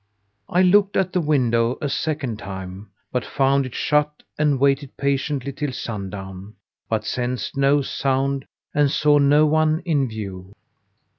I looked at the window a second time, but found it shut and waited patiently till sundown, but sensed no sound and saw no one in view.